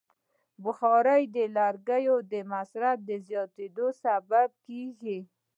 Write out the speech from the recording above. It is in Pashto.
بخاري د لرګیو د مصرف زیاتیدو سبب کېږي.